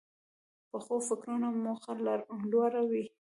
پخو فکرونو موخه لوړه وي